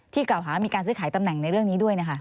กล่าวหามีการซื้อขายตำแหน่งในเรื่องนี้ด้วย